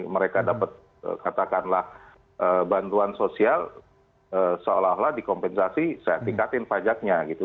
mereka dapat katakanlah bantuan sosial seolah olah dikompensasi sertifikatin pajaknya gitu